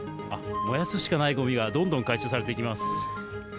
燃やすしかないごみがどんどん回収されていきます。